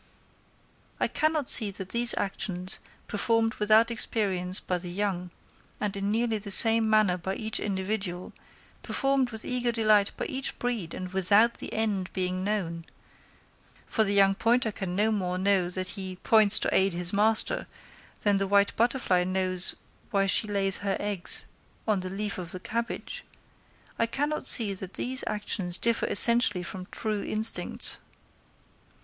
I cannot see that these actions, performed without experience by the young, and in nearly the same manner by each individual, performed with eager delight by each breed, and without the end being known—for the young pointer can no more know that he points to aid his master, than the white butterfly knows why she lays her eggs on the leaf of the cabbage—I cannot see that these actions differ essentially from true instincts.